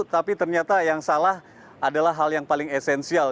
tapi ternyata yang salah adalah hal yang paling esensial